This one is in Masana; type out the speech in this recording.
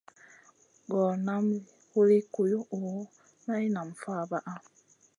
Gor nam huli kuyuʼu, maï nam fabaʼa.